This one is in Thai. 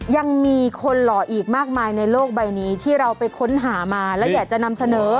ยังมีคนหล่ออีกมากมายในโลกใบนี้ที่เราไปค้นหามาและอยากจะนำเสนอ